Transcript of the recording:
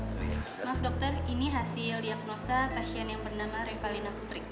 maaf dokter ini hasil diagnosa pasien yang bernama revalina putri